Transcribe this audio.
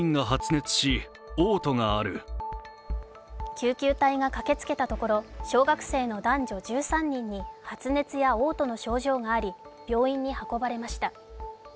救急隊が駆けつけたところ小学生の男女１３人に発熱やおう吐の症状があり病院に運ばれました。